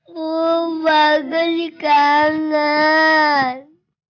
bu bagus ikan